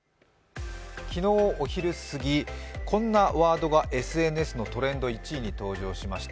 昨日お昼すぎ、こんなワードがＳＮＳのトレンド１位に登場しました。